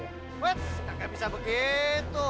wets nggak bisa begitu